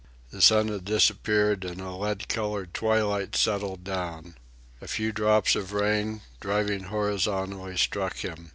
The sun had disappeared, and a lead colored twilight settled down. A few drops of rain, driving horizontally, struck him.